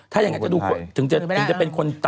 ถ้าอย่างนั้นจะดูถึงจะเป็นคน